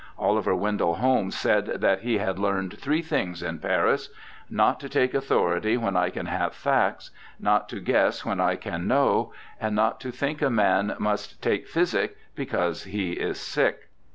Oliver Wendell Holmes said that he had learned three things in Paris :* Not to take authority when I can have facts, not to guess when I can know, and not to think a man must take physic because he is sick.'